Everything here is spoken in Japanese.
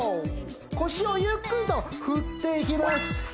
腰をゆっくりと振っていきます